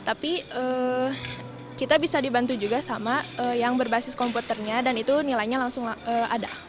tapi kita bisa dibantu juga sama yang berbasis komputernya dan itu nilainya langsung ada